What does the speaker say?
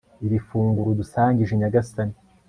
iri funguro udusangije nyagasani